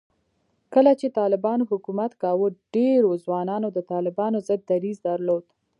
کله چې طالبانو حکومت کاوه، ډېرو ځوانانو د طالبانو ضد دریځ درلود